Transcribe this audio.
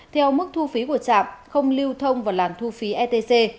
theo mức thu phí của trạm không lưu thông vào làn thu phí etc